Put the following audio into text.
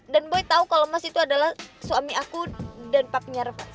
dan boy tau kalau mas itu adalah suami aku dan papinya reva